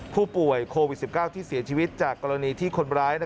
ผู้ป่วยโควิด๑๙ที่เสียชีวิตจากกรณีที่คนร้าย